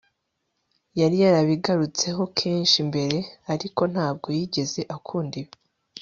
yari yarabigarutseho kenshi mbere, ariko ntabwo yigeze akunda ibi